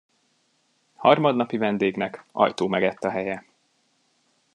Harmadnapi vendégnek ajtó megett a helye.